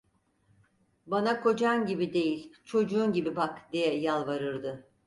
"Bana kocan gibi değil, çocuğun gibi bak!" diye yalvarırdı.